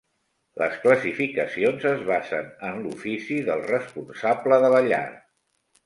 Les classificacions es basen en l'ofici del responsable de la llar.